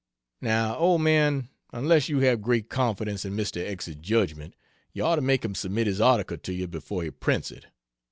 Now, old man, unless you have great confidence in Mr. X's judgment, you ought to make him submit his article to you before he prints it.